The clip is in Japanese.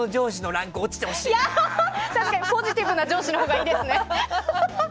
確かにポジティブな上司のほうがいいですね。